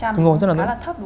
đúng rồi rất là thấp